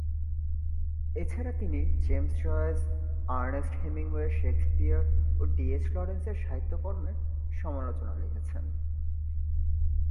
এছাড়া তিনি James Joyce, Ernest Hemingway, Shakespeare ও ডি এইচ লরেন্স এর সাহিত্যকর্মের সমালোচনা লিখেছেন।